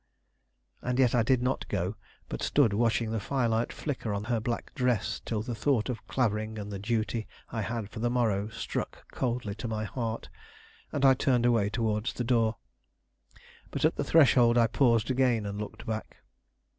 And yet I did not go, but stood watching the firelight flicker on her black dress till the thought of Clavering and the duty I had for the morrow struck coldly to my heart, and I turned away towards the door. But at the threshold I paused again, and looked back.